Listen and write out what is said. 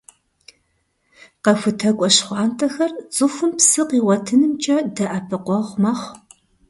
«КъэхутакӀуэ щхъуантӀэхэр» цӀыхум псы къигъуэтынымкӀэ дэӀэпыкъуэгъу мэхъу.